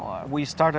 kami mulai sendiri